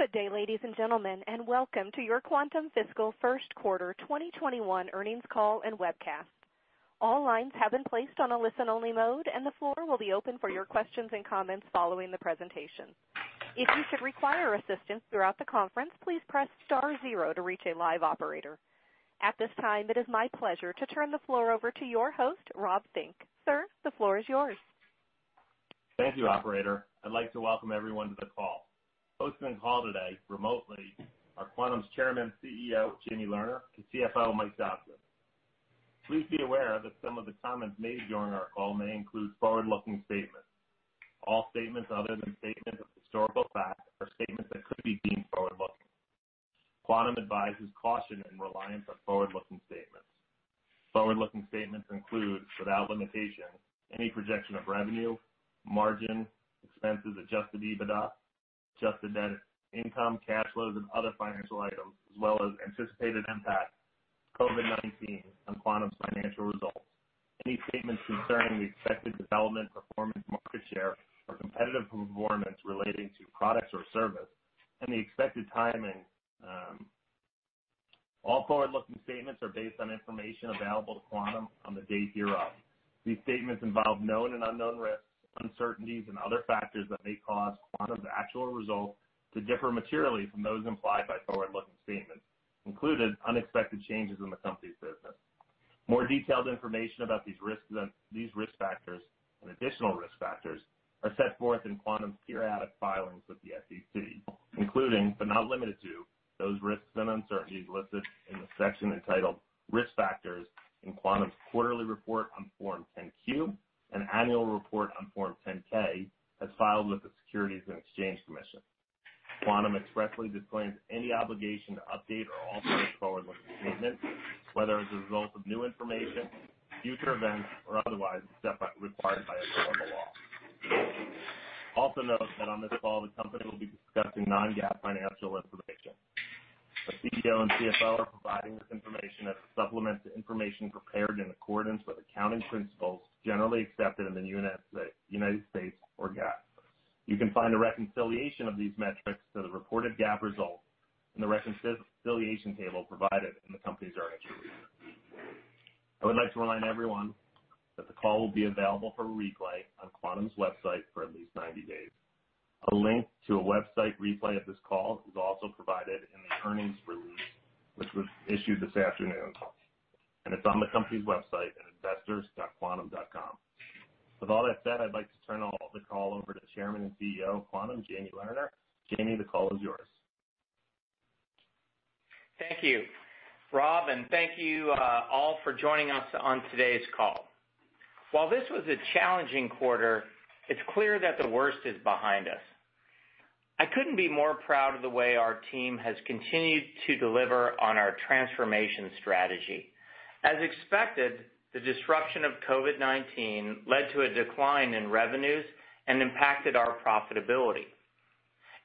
Good day, ladies and gentlemen, and welcome to your Quantum fiscal first quarter 2021 earnings call and webcast. All lines have been placed on a listen-only mode, and the floor will be opened for your questions and comments following the presentation. If you should require assistance throughout the conference, please press star zero to reach a live operator. At this time, it is my pleasure to turn the floor over to your host, Rob Fink. Sir, the floor is yours. Thank you, operator. I'd like to welcome everyone to the call. Hosting the call today remotely are Quantum's Chairman, CEO, Jamie Lerner, and CFO, Mike Dodson. Please be aware that some of the comments made during our call may include forward-looking statements. All statements other than statements of historical fact are statements that could be deemed forward-looking. Quantum advises caution in reliance on forward-looking statements. Forward-looking statements include, without limitation, any projection of revenue, margin, expenses, adjusted EBITDA, adjusted net income, cash flows and other financial items, as well as anticipated impact of COVID-19 on Quantum's financial results. Any statements concerning the expected development, performance, market share, or competitive performance relating to products or service, and the expected timing. All forward-looking statements are based on information available to Quantum on the date hereof. These statements involve known and unknown risks, uncertainties and other factors that may cause Quantum's actual results to differ materially from those implied by forward-looking statements, including unexpected changes in the company's business. More detailed information about these risk factors and additional risk factors are set forth in Quantum's periodic filings with the SEC, including, but not limited to, those risks and uncertainties listed in the section entitled Risk Factors in Quantum's quarterly report on Form 10-Q and annual report on Form 10-K, as filed with the Securities and Exchange Commission. Quantum expressly disclaims any obligation to update or alter its forward-looking statements, whether as a result of new information, future events, or otherwise, except as required by applicable law. Also note that on this call, the company will be discussing non-GAAP financial information. The CEO and CFO are providing this information as a supplement to information prepared in accordance with accounting principles generally accepted in the United States, or GAAP. You can find a reconciliation of these metrics to the reported GAAP results in the reconciliation table provided in the company's earnings release. I would like to remind everyone that the call will be available for replay on Quantum's website for at least 90 days. A link to a website replay of this call is also provided in the earnings release, which was issued this afternoon, and it's on the company's website at investors.quantum.com. With all that said, I'd like to turn the call over to Chairman and CEO of Quantum, Jamie Lerner. Jamie, the call is yours. Thank you, Rob. Thank you all for joining us on today's call. While this was a challenging quarter, it's clear that the worst is behind us. I couldn't be more proud of the way our team has continued to deliver on our transformation strategy. As expected, the disruption of COVID-19 led to a decline in revenues and impacted our profitability.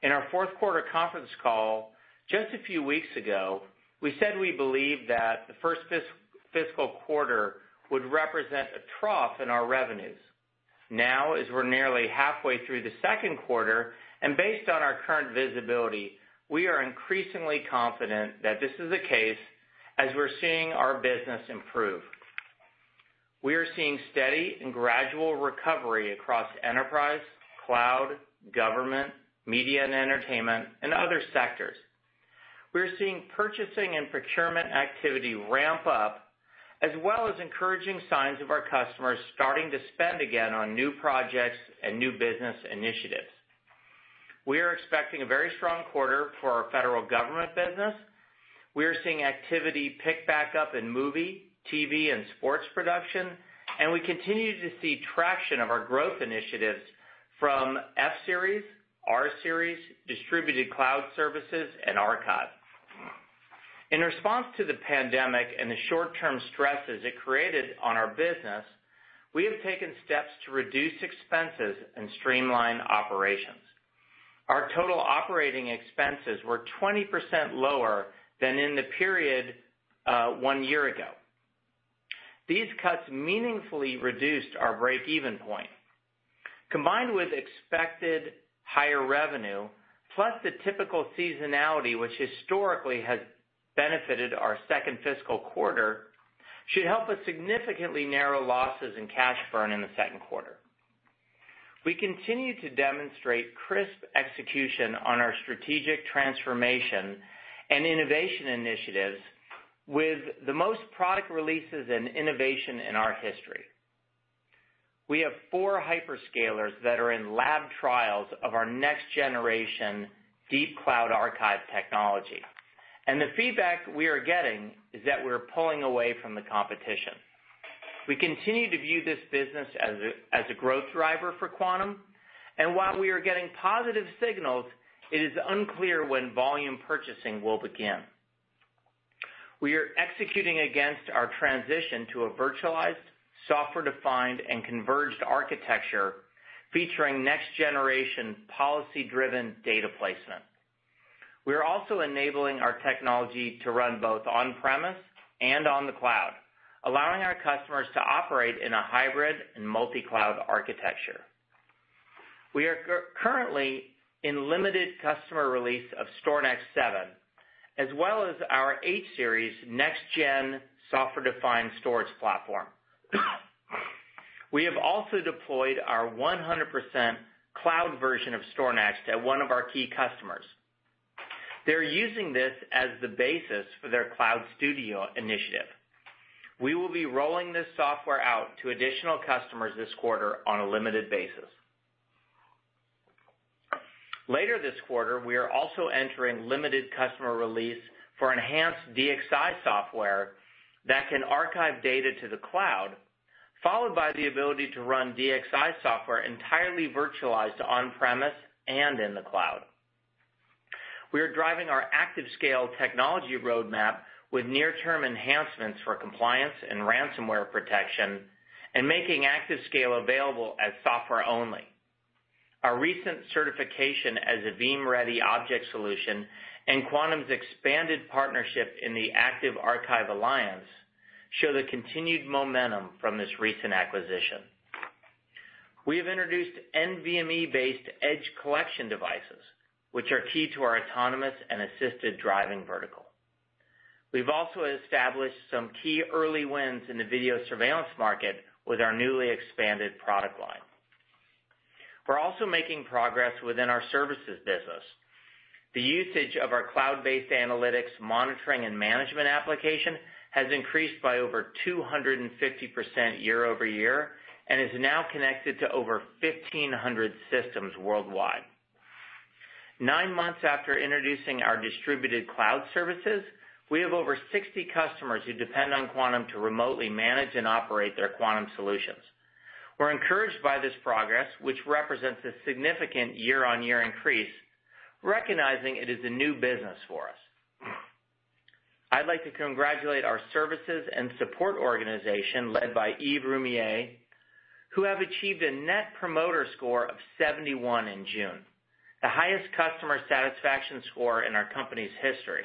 In our fourth quarter conference call just a few weeks ago, we said we believe that the first fiscal quarter would represent a trough in our revenues. Now, as we're nearly halfway through the second quarter and based on our current visibility, we are increasingly confident that this is the case as we're seeing our business improve. We are seeing steady and gradual recovery across enterprise, cloud, government, media and entertainment and other sectors. We are seeing purchasing and procurement activity ramp up, as well as encouraging signs of our customers starting to spend again on new projects and new business initiatives. We are expecting a very strong quarter for our federal government business. We are seeing activity pick back up in movie, TV, and sports production, and we continue to see traction of our growth initiatives from F-Series, R-Series, Distributed Cloud Services, and archive. In response to the pandemic and the short-term stresses it created on our business, we have taken steps to reduce expenses and streamline operations. Our total operating expenses were 20% lower than in the period one year ago. These cuts meaningfully reduced our break-even point. Combined with expected higher revenue, plus the typical seasonality which historically has benefited our second fiscal quarter, should help us significantly narrow losses and cash burn in the second quarter. We continue to demonstrate crisp execution on our strategic transformation and innovation initiatives with the most product releases and innovation in our history. We have four hyperscalers that are in lab trials of our next-generation deep cloud archive technology, and the feedback we are getting is that we're pulling away from the competition. We continue to view this business as a growth driver for Quantum, and while we are getting positive signals, it is unclear when volume purchasing will begin. We are executing against our transition to a virtualized, software-defined, and converged architecture featuring next-generation policy-driven data placement. We are also enabling our technology to run both on-premise and on the cloud, allowing our customers to operate in a hybrid and multi-cloud architecture. We are currently in limited customer release of StorNext 7, as well as our H-Series next-gen software-defined storage platform. We have also deployed our 100% cloud version of StorNext at one of our key customers. They're using this as the basis for their cloud studio initiative. We will be rolling this software out to additional customers this quarter on a limited basis. Later this quarter, we are also entering limited customer release for enhanced DXi software that can archive data to the cloud, followed by the ability to run DXi software entirely virtualized on-premise and in the cloud. We are driving our ActiveScale technology roadmap with near-term enhancements for compliance and ransomware protection, and making ActiveScale available as software only. Our recent certification as a Veeam Ready object solution, and Quantum's expanded partnership in the Active Archive Alliance show the continued momentum from this recent acquisition. We have introduced NVMe-based edge collection devices, which are key to our autonomous and assisted driving vertical. We've also established some key early wins in the video surveillance market with our newly expanded product line. We're also making progress within our services business. The usage of our cloud-based analytics monitoring and management application has increased by over 250% year-over-year, and is now connected to over 1,500 systems worldwide. Nine months after introducing our Distributed Cloud Services, we have over 60 customers who depend on Quantum to remotely manage and operate their Quantum solutions. We're encouraged by this progress, which represents a significant year-on-year increase, recognizing it is a new business for us. I'd like to congratulate our services and support organization led by Yves Roumier, who have achieved a Net Promoter Score of 71 in June, the highest customer satisfaction score in our company's history,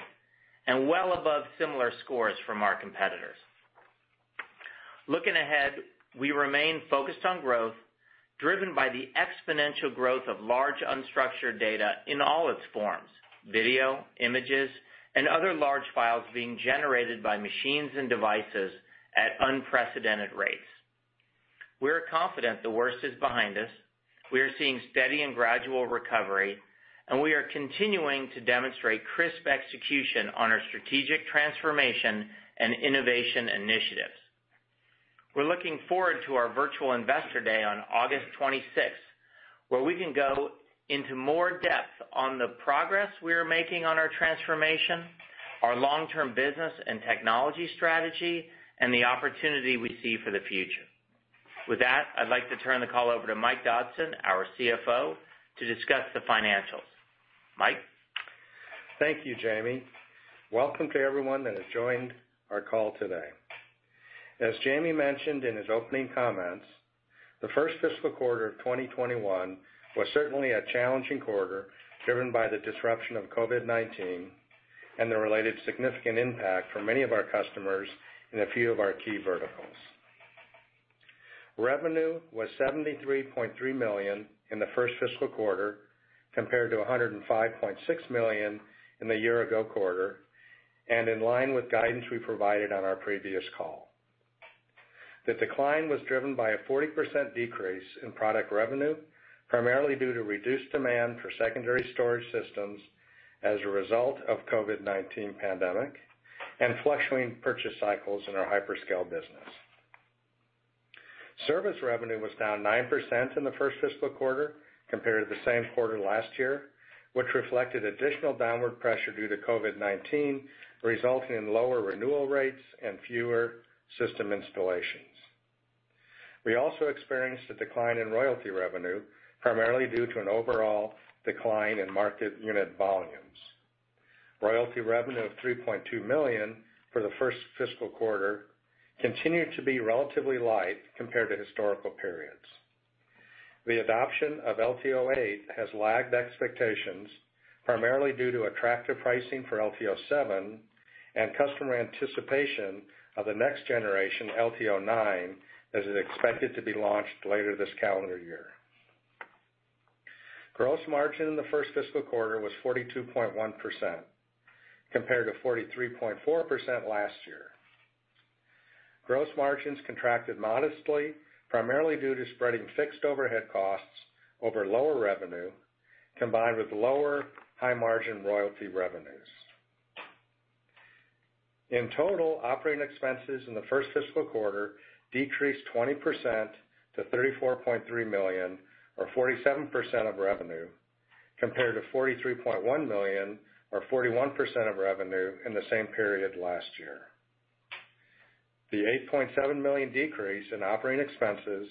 and well above similar scores from our competitors. Looking ahead, we remain focused on growth, driven by the exponential growth of large unstructured data in all its forms, video, images, and other large files being generated by machines and devices at unprecedented rates. We are confident the worst is behind us. We are seeing steady and gradual recovery, and we are continuing to demonstrate crisp execution on our strategic transformation and innovation initiatives. We're looking forward to our virtual Investor Day on August 26th, where we can go into more depth on the progress we are making on our transformation, our long-term business and technology strategy, and the opportunity we see for the future. With that, I'd like to turn the call over to Mike Dodson, our CFO, to discuss the financials. Mike? Thank you, Jamie. Welcome to everyone that has joined our call today. As Jamie mentioned in his opening comments, the first fiscal quarter of 2021 was certainly a challenging quarter, driven by the disruption of COVID-19 and the related significant impact for many of our customers in a few of our key verticals. Revenue was $73.3 million in the first fiscal quarter, compared to $105.6 million in the year-ago quarter, and in line with guidance we provided on our previous call. The decline was driven by a 40% decrease in product revenue, primarily due to reduced demand for secondary storage systems as a result of COVID-19 pandemic and fluctuating purchase cycles in our hyperscale business. Service revenue was down 9% in the first fiscal quarter compared to the same quarter last year, which reflected additional downward pressure due to COVID-19, resulting in lower renewal rates and fewer system installations. We also experienced a decline in royalty revenue, primarily due to an overall decline in market unit volumes. Royalty revenue of $3.2 million for the first fiscal quarter continued to be relatively light compared to historical periods. The adoption of LTO-8 has lagged expectations, primarily due to attractive pricing for LTO-7 and customer anticipation of the next generation, LTO-9, as it is expected to be launched later this calendar year. Gross margin in the first fiscal quarter was 42.1%, compared to 43.4% last year. Gross margins contracted modestly, primarily due to spreading fixed overhead costs over lower revenue, combined with lower high-margin royalty revenues. In total, operating expenses in the first fiscal quarter decreased 20% to $34.3 million, or 47% of revenue, compared to $43.1 million or 41% of revenue in the same period last year. The $8.7 million decrease in operating expenses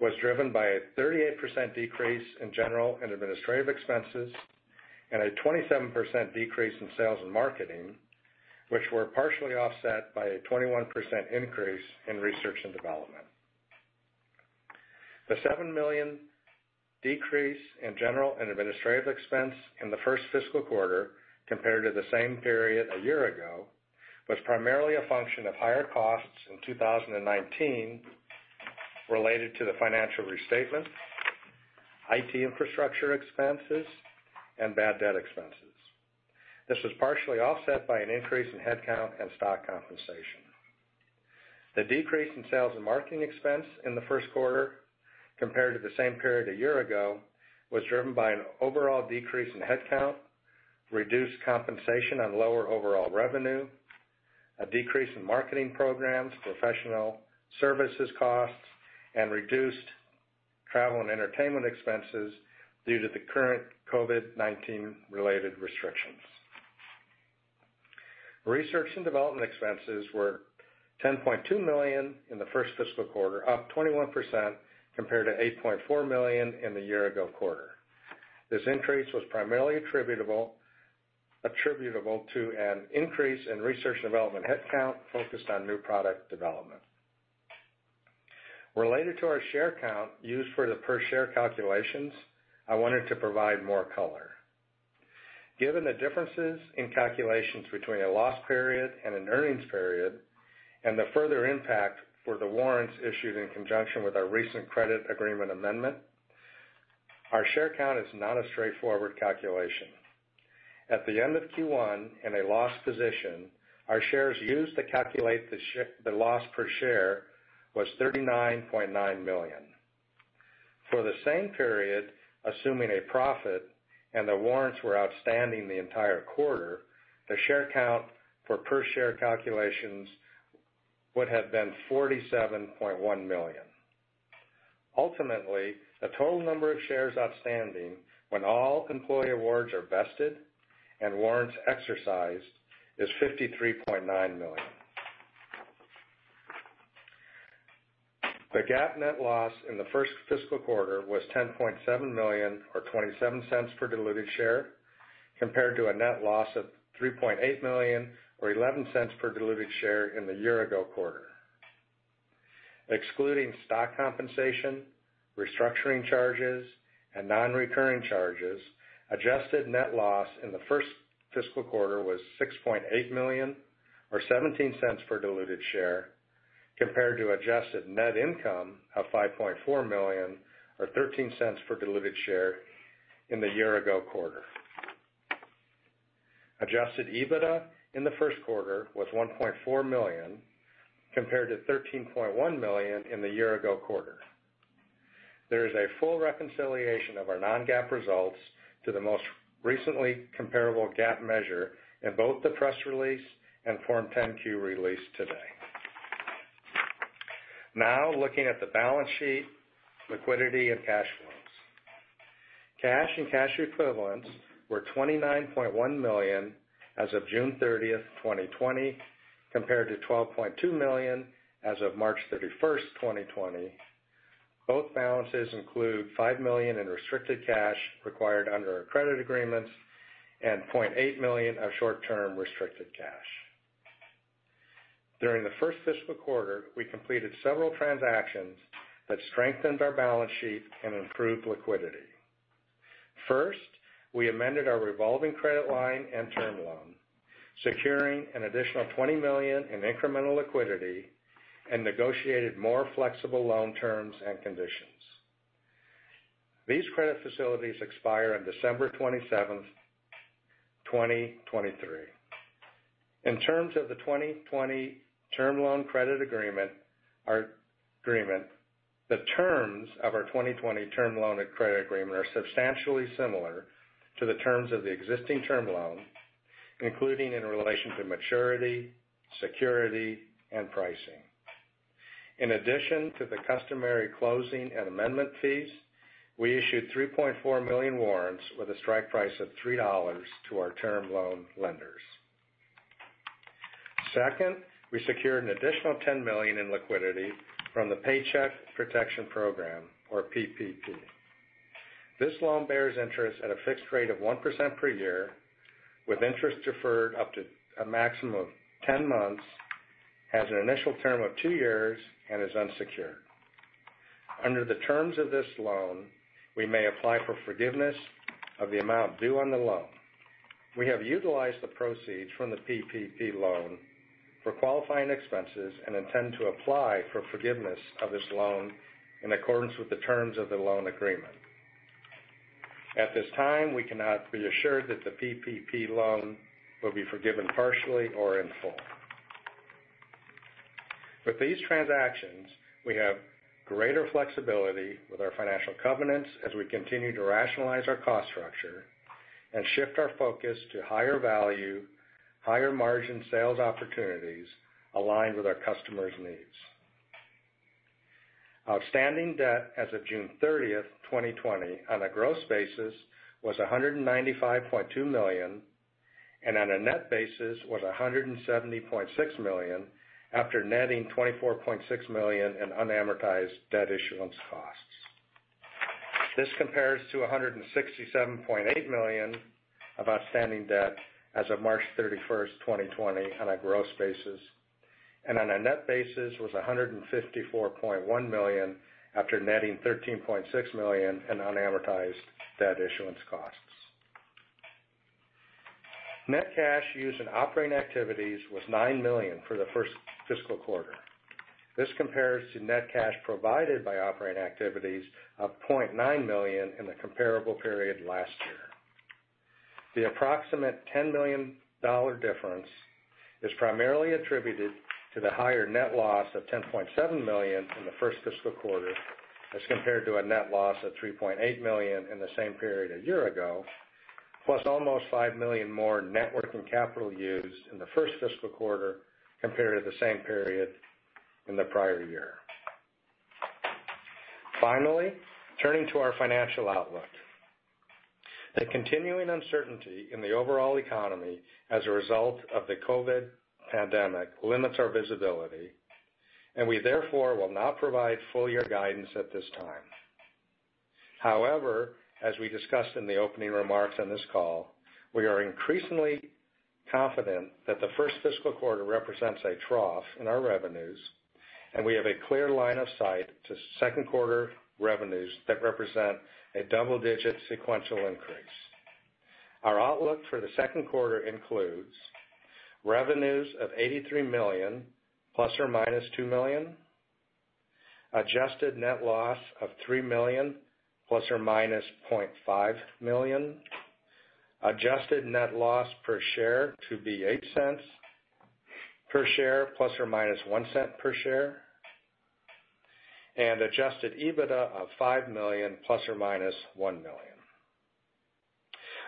was driven by a 38% decrease in general and administrative expenses and a 27% decrease in sales and marketing, which were partially offset by a 21% increase in research and development. The $7 million decrease in general and administrative expense in the first fiscal quarter compared to the same period a year ago was primarily a function of higher costs in 2019 related to the financial restatement, IT infrastructure expenses, and bad debt expenses. This was partially offset by an increase in headcount and stock compensation. The decrease in sales and marketing expense in the first quarter compared to the same period a year ago was driven by an overall decrease in headcount, reduced compensation on lower overall revenue, a decrease in marketing programs, professional services costs, and reduced travel and entertainment expenses due to the current COVID-19 related restrictions. Research and development expenses were $10.2 million in the first fiscal quarter, up 21%, compared to $8.4 million in the year ago quarter. This increase was primarily attributable to an increase in research and development headcount focused on new product development. Related to our share count used for the per-share calculations, I wanted to provide more color. Given the differences in calculations between a loss period and an earnings period, and the further impact for the warrants issued in conjunction with our recent credit agreement amendment, our share count is not a straightforward calculation. At the end of Q1, in a loss position, our shares used to calculate the loss per share was 39.9 million. For the same period, assuming a profit and the warrants were outstanding the entire quarter, the share count for per-share calculations would have been 47.1 million. Ultimately, the total number of shares outstanding when all employee awards are vested and warrants exercised is 53.9 million. The GAAP net loss in the first fiscal quarter was $10.7 million or $0.27 per diluted share, compared to a net loss of $3.8 million or $0.11 per diluted share in the year ago quarter. Excluding stock compensation, restructuring charges, and non-recurring charges, adjusted net loss in the first fiscal quarter was $6.8 million or $0.17 per diluted share compared to adjusted net income of $5.4 million or $0.13 per diluted share in the year ago quarter. Adjusted EBITDA in the first quarter was $1.4 million compared to $13.1 million in the year ago quarter. There is a full reconciliation of our non-GAAP results to the most recently comparable GAAP measure in both the press release and Form 10-Q released today. Now looking at the balance sheet, liquidity, and cash flows. Cash and cash equivalents were $29.1 million as of June 30th, 2020, compared to $12.2 million as of March 31st, 2020. Both balances include $5 million in restricted cash required under our credit agreements and $0.8 million of short-term restricted cash. During the first fiscal quarter, we completed several transactions that strengthened our balance sheet and improved liquidity. First, we amended our revolving credit line and term loan, securing an additional $20 million in incremental liquidity and negotiated more flexible loan terms and conditions. These credit facilities expire on December 27th, 2023. In terms of the 2020 term loan credit agreement, the terms of our 2020 term loan and credit agreement are substantially similar to the terms of the existing term loan, including in relation to maturity, security, and pricing. In addition to the customary closing and amendment fees, we issued 3.4 million warrants with a strike price of $3 to our term loan lenders. Second, we secured an additional $10 million in liquidity from the Paycheck Protection Program or PPP. This loan bears interest at a fixed rate of 1% per year, with interest deferred up to a maximum of 10 months, has an initial term of two years, and is unsecured. Under the terms of this loan, we may apply for forgiveness of the amount due on the loan. We have utilized the proceeds from the PPP loan for qualifying expenses and intend to apply for forgiveness of this loan in accordance with the terms of the loan agreement. At this time, we cannot be assured that the PPP loan will be forgiven partially or in full. With these transactions, we have greater flexibility with our financial covenants as we continue to rationalize our cost structure and shift our focus to higher value, higher margin sales opportunities aligned with our customers' needs. Outstanding debt as of June 30th, 2020 on a gross basis was $195.2 million and on a net basis was $170.6 million after netting $24.6 million in unamortized debt issuance costs. This compares to $167.8 million of outstanding debt as of March 31st, 2020 on a gross basis, and on a net basis was $154.1 million after netting $13.6 million in unamortized debt issuance costs. Net cash used in operating activities was $9 million for the first fiscal quarter. This compares to net cash provided by operating activities of $0.9 million in the comparable period last year. The approximate $10 million difference is primarily attributed to the higher net loss of $10.7 million in the first fiscal quarter as compared to a net loss of $3.8 million in the same period a year ago, plus almost $5 million more net working capital used in the first fiscal quarter compared to the same period in the prior year. Finally, turning to our financial outlook. The continuing uncertainty in the overall economy as a result of the COVID-19 pandemic limits our visibility. We therefore will not provide full-year guidance at this time. As we discussed in the opening remarks on this call, we are increasingly confident that the first fiscal quarter represents a trough in our revenues, and we have a clear line of sight to second quarter revenues that represent a double-digit sequential increase. Our outlook for the second quarter includes revenues of $83 million ±$2 million, adjusted net loss of $3 million ±$0.5 million, adjusted net loss per share to be $0.08 per share ±$0.01 per share, and adjusted EBITDA of $5 million ±$1 million.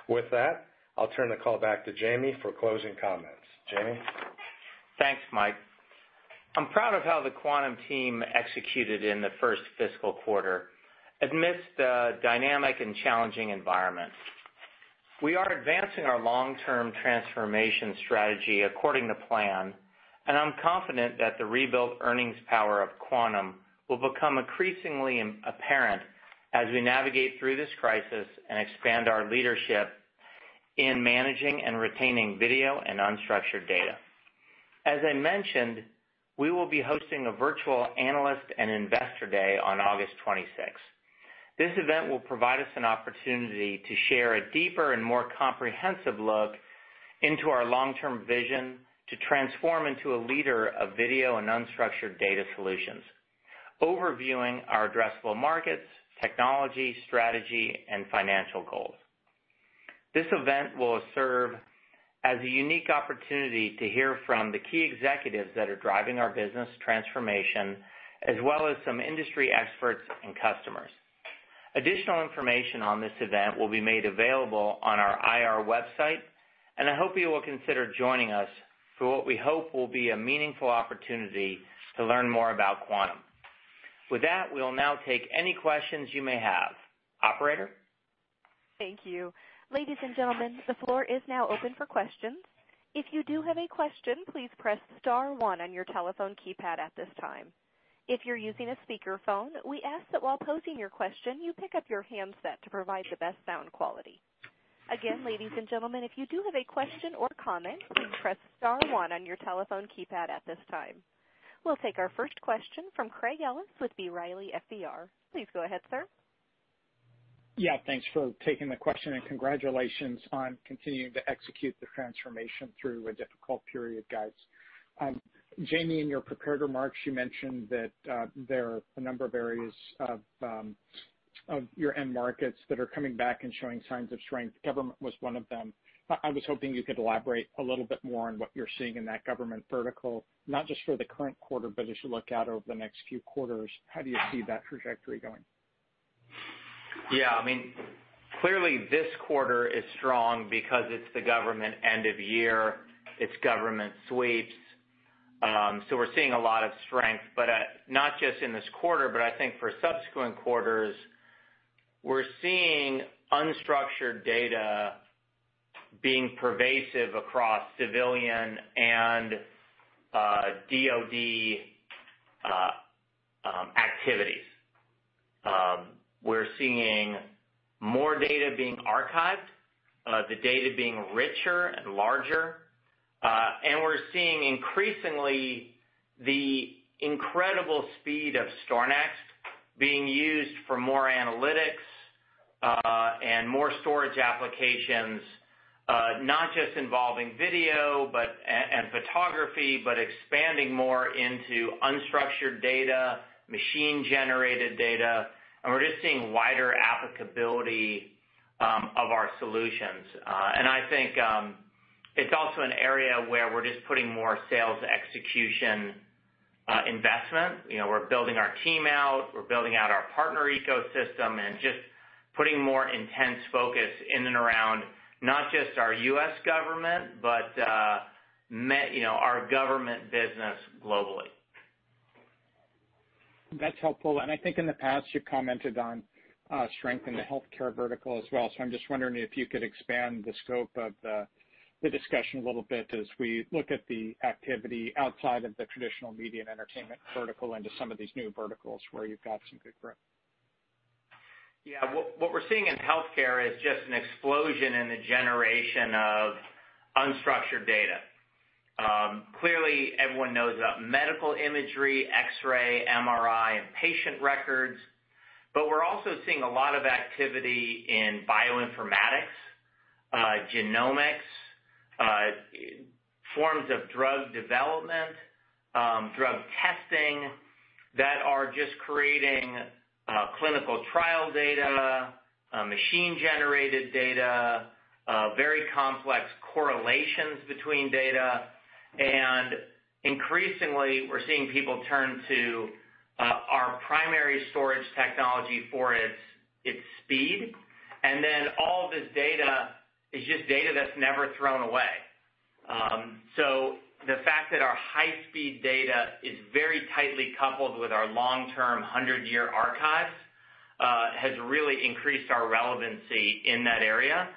With that, I'll turn the call back to Jamie for closing comments. Jamie? Thanks, Mike. I'm proud of how the Quantum team executed in the first fiscal quarter amidst a dynamic and challenging environment. We are advancing our long-term transformation strategy according to plan, and I'm confident that the rebuilt earnings power of Quantum will become increasingly apparent as we navigate through this crisis and expand our leadership in managing and retaining video and unstructured data. As I mentioned, we will be hosting a virtual analyst and investor day on August 26th. This event will provide us an opportunity to share a deeper and more comprehensive look into our long-term vision to transform into a leader of video and unstructured data solutions, overviewing our addressable markets, technology, strategy, and financial goals. This event will serve as a unique opportunity to hear from the key executives that are driving our business transformation, as well as some industry experts and customers. Additional information on this event will be made available on our IR website. I hope you will consider joining us for what we hope will be a meaningful opportunity to learn more about Quantum. With that, we'll now take any questions you may have. Operator? Thank you. Ladies and gentlemen, the floor is now open for questions. If you do have a question, please press star one on your telephone keypad at this time. If you're using a speakerphone, we ask that while posing your question, you pick up your handset to provide the best sound quality. Again, ladies and gentlemen, if you do have a question or comment, please press star one on your telephone keypad at this time. We'll take our first question from Craig Ellis with B. Riley FBR. Please go ahead, sir. Yeah, thanks for taking the question and congratulations on continuing to execute the transformation through a difficult period, guys. Jamie, in your prepared remarks, you mentioned that there are a number of areas of your end markets that are coming back and showing signs of strength government was one of them. I was hoping you could elaborate a little bit more on what you're seeing in that government vertical, not just for the current quarter, but as you look out over the next few quarters, how do you see that trajectory going? Yeah. Clearly this quarter is strong because it's the government end of year. It's government sweeps. We're seeing a lot of strength, but not just in this quarter, but I think for subsequent quarters, we're seeing unstructured data being pervasive across civilian and DoD activities. We're seeing more data being archived, the data being richer and larger. We're seeing increasingly the incredible speed of StorNext being used for more analytics and more storage applications, not just involving video and photography, but expanding more into unstructured data, machine-generated data, and we're just seeing wider applicability of our solutions. I think it's also an area where we're just putting more sales execution investment. We're building our team out, we're building out our partner ecosystem and just putting more intense focus in and around not just our U.S. government, but our government business globally. That's helpful. I think in the past you commented on strength in the healthcare vertical as well. I'm just wondering if you could expand the scope of the discussion a little bit as we look at the activity outside of the traditional media and entertainment vertical into some of these new verticals where you've got some good growth. Yeah. What we're seeing in healthcare is just an explosion in the generation of unstructured data. Clearly, everyone knows about medical imagery, X-ray, MRI, and patient records, but we're also seeing a lot of activity in bioinformatics, genomics, forms of drug development, drug testing that are just creating clinical trial data, machine-generated data, very complex correlations between data. Increasingly, we're seeing people turn to our primary storage technology for its speed. All this data is just data that's never thrown away. The fact that our high-speed data is very tightly coupled with our long-term 100-year archives has really increased our relevancy in that area.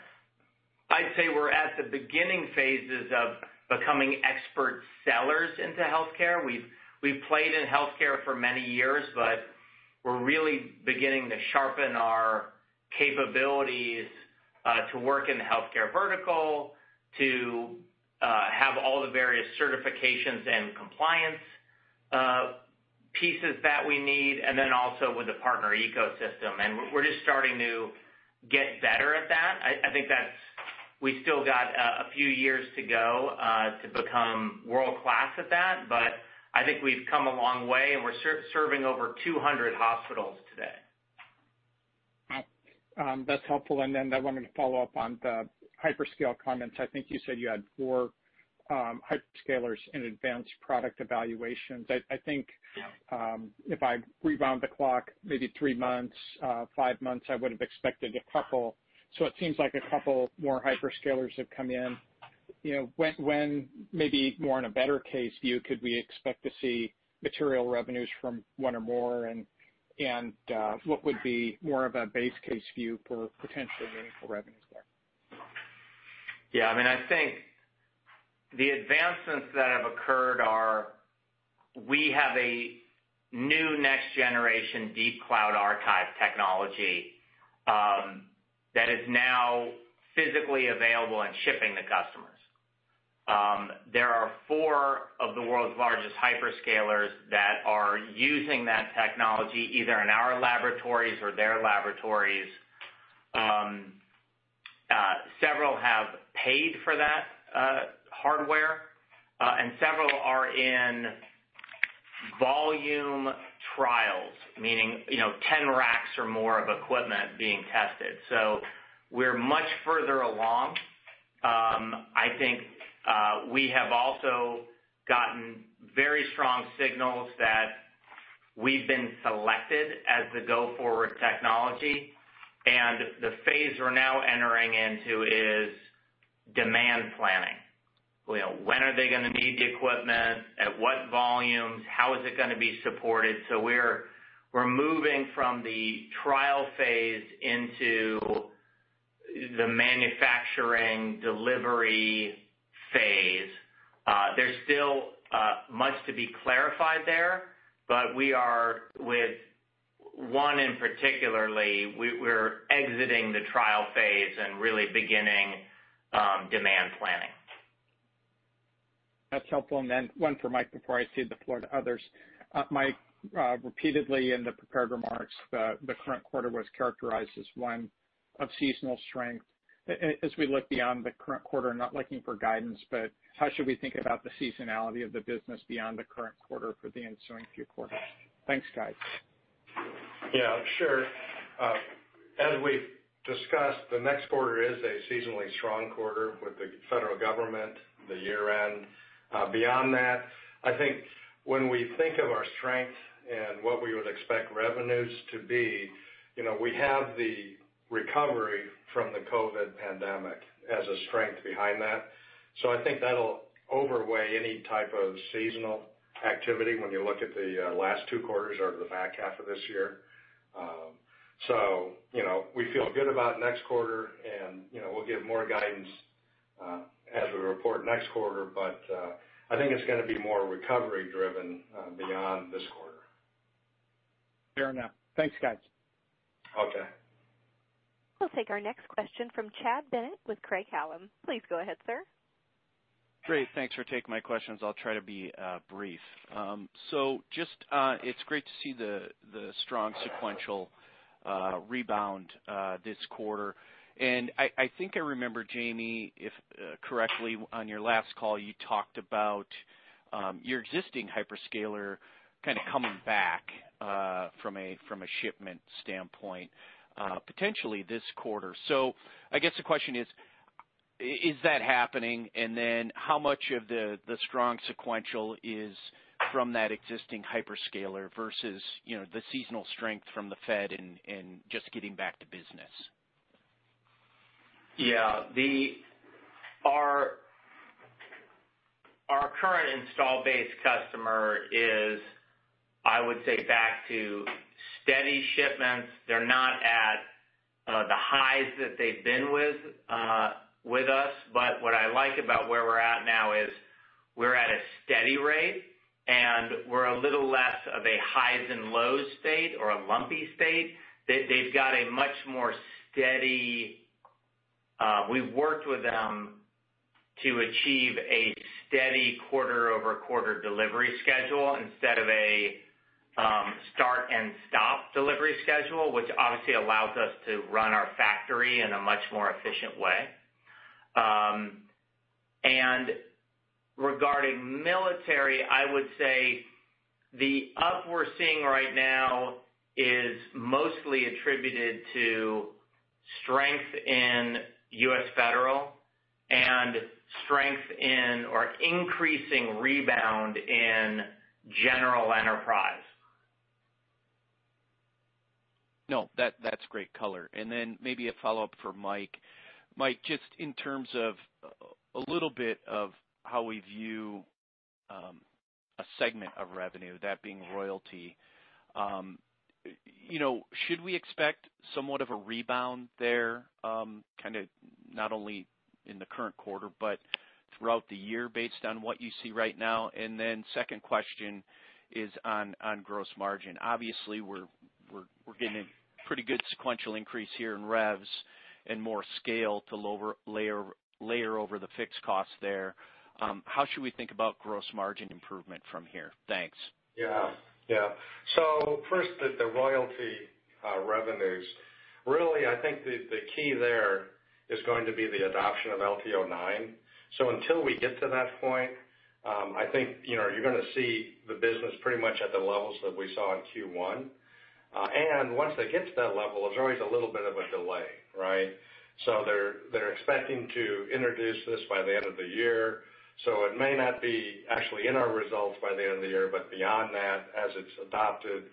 I'd say we're at the beginning phases of becoming expert sellers into healthcare. We've played in healthcare for many years, but we're really beginning to sharpen our capabilities, to work in the healthcare vertical, to have all the various certifications and compliance pieces that we need, and then also with the partner ecosystem. We're just starting to get better at that. I think we still got a few years to go to become world-class at that, but I think we've come a long way, and we're serving over 200 hospitals today. That's helpful. Then I wanted to follow up on the hyperscale comments. I think you said you had four hyperscalers in advanced product evaluations. I think if I rewound the clock maybe three months, five months, I would have expected a couple. It seems like a couple more hyperscalers have come in. When, maybe more in a better case view, could we expect to see material revenues from one or more, and what would be more of a base case view for potentially meaningful revenues there? Yeah, I think the advancements that have occurred are we have a new next-generation deep cloud archive technology that is now physically available and shipping to customers. There are four of the world's largest hyperscalers that are using that technology, either in our laboratories or their laboratories. Several have paid for that hardware, and several are in volume trials, meaning 10 racks or more of equipment being tested. We're much further along. I think we have also gotten very strong signals that we've been selected as the go-forward technology, and the phase we're now entering into is demand planning. When are they going to need the equipment? At what volumes? How is it going to be supported? We're moving from the trial phase into the manufacturing delivery phase. There's still much to be clarified there, but we are with one, in particularly, we're exiting the trial phase and really beginning demand planning. That's helpful. Then one for Mike before I cede the floor to others. Mike, repeatedly in the prepared remarks, the current quarter was characterized as one of seasonal strength. We look beyond the current quarter, I'm not looking for guidance, but how should we think about the seasonality of the business beyond the current quarter for the ensuing few quarters? Thanks, guys. Yeah, sure. As we've discussed, the next quarter is a seasonally strong quarter with the federal government, the year-end. Beyond that, I think when we think of our strength and what we would expect revenues to be, we have the recovery from the COVID pandemic as a strength behind that. I think that'll overweigh any type of seasonal activity when you look at the last two quarters or the back half of this year. We feel good about next quarter, and we'll give more guidance as we report next quarter. I think it's going to be more recovery-driven beyond this quarter. Fair enough. Thanks, guys. Okay. We'll take our next question from Chad Bennett with Craig-Hallum. Please go ahead, sir. Great. Thanks for taking my questions. I'll try to be brief. Just it's great to see the strong sequential rebound this quarter. I think I remember, Jamie, if correctly, on your last call, you talked about your existing hyperscaler kind of coming back from a shipment standpoint potentially this quarter. I guess the question is that happening? How much of the strong sequential is from that existing hyperscaler versus the seasonal strength from the Fed and just getting back to business? Yeah. Our current install base customer is, I would say, back to steady shipments. They're not at the highs that they've been with us, what I like about where we're at now is we're at a steady rate, and we're a little less of a highs and lows state or a lumpy state. They've got a much more steady. We've worked with them to achieve a steady quarter-over-quarter delivery schedule instead of a start-and-stop delivery schedule, which obviously allows us to run our factory in a much more efficient way. Regarding military, I would say the up we're seeing right now is mostly attributed to strength in U.S. federal and strength in or increasing rebound in general enterprise. No. That's great color. Maybe a follow-up for Mike. Mike, just in terms of a little bit of how we view a segment of revenue, that being royalty. Should we expect somewhat of a rebound there, kind of not only in the current quarter, but throughout the year based on what you see right now? Then second question is on gross margin. Obviously, we're getting a pretty good sequential increase here in revs and more scale to layer over the fixed cost there. How should we think about gross margin improvement from here? Thanks. Yeah. First, the royalty revenues. Really, I think the key there is going to be the adoption of LTO-9. Until we get to that point, I think, you're going to see the business pretty much at the levels that we saw in Q1. Once they get to that level, there's always a little bit of a delay, right? They're expecting to introduce this by the end of the year. It may not be actually in our results by the end of the year, but beyond that, as it's adopted,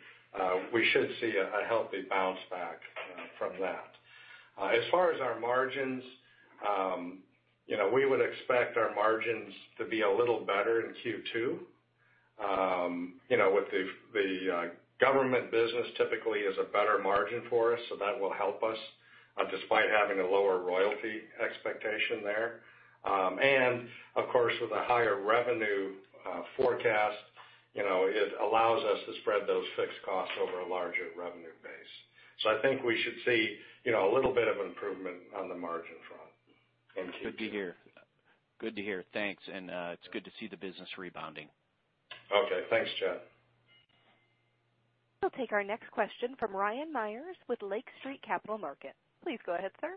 we should see a healthy bounce back from that. As far as our margins, we would expect our margins to be a little better in Q2. The government business typically is a better margin for us, so that will help us, despite having a lower royalty expectation there. Of course, with a higher revenue forecast, it allows us to spread those fixed costs over a larger revenue base. I think we should see a little bit of an improvement on the margin front in Q2. Good to hear. Thanks. It's good to see the business rebounding. Okay. Thanks, Chad. We'll take our next question from Ryan Meyers with Lake Street Capital Markets. Please go ahead, sir.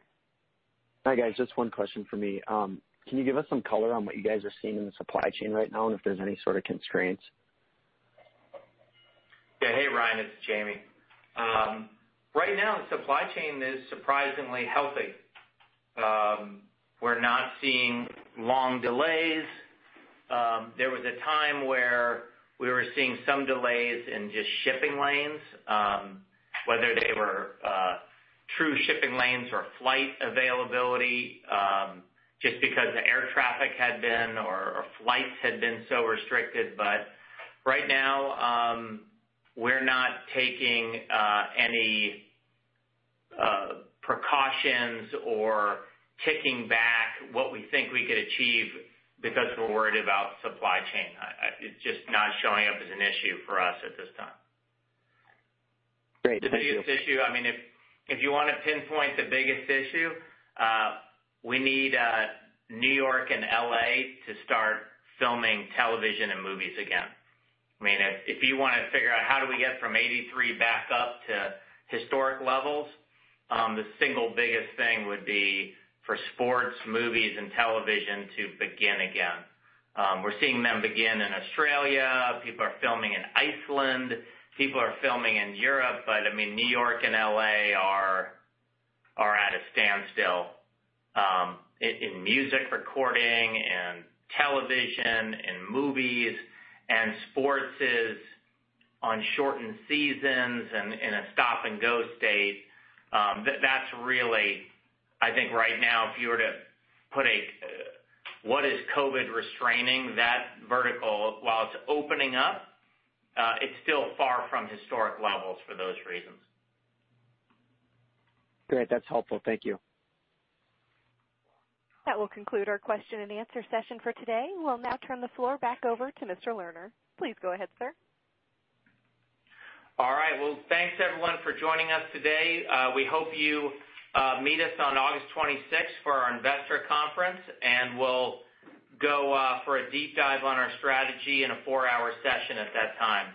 Hi, guys. Just one question for me. Can you give us some color on what you guys are seeing in the supply chain right now, and if there's any sort of constraints? Yeah. Hey, Ryan, it's Jamie. Right now, the supply chain is surprisingly healthy. We're not seeing long delays. There was a time where we were seeing some delays in just shipping lanes, whether they were true shipping lanes or flight availability, just because the air traffic had been or flights had been so restricted. Right now, we're not taking any precautions or kicking back what we think we could achieve because we're worried about supply chain. It's just not showing up as an issue for us at this time. Great. Thank you. The biggest issue, if you want to pinpoint the biggest issue, we need New York and L.A. to start filming television and movies again. If you want to figure out how do we get from $83 million back up to historic levels, the single biggest thing would be for sports, movies, and television to begin again. We're seeing them begin in Australia. People are filming in Iceland. People are filming in Europe, New York and L.A. are at a standstill in music recording and television and movies and sports is on shortened seasons and in a stop-and-go state. That's really, I think right now, if you were to put a what is COVID restraining that vertical while it's opening up, it's still far from historic levels for those reasons. Great. That's helpful. Thank you. That will conclude our question and answer session for today. We'll now turn the floor back over to Mr. Lerner. Please go ahead, sir. All right. Well, thanks everyone for joining us today. We hope you meet us on August 26th for our investor conference, we'll go for a deep dive on our strategy in a four-hour session at that time.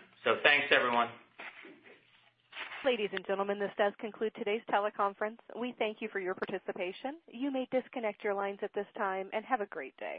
Thanks, everyone. Ladies and gentlemen, this does conclude today's teleconference. We thank you for your participation. You may disconnect your lines at this time, and have a great day.